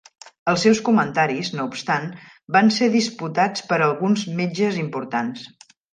Els seus comentaris, no obstant, van ser disputats per alguns metges importants.